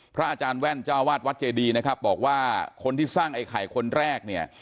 พระอาจารย์แว่นเจ้าวาดวัดเจดีนะครับบอกว่าคนที่สร้างไอ้ไข่คนแรกเนี่ย